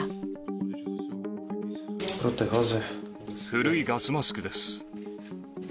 古いガスマスクです。